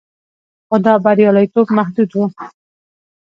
خو دا بریالیتوب محدود و